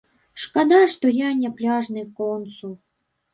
Шкада, што я не пляжны консул.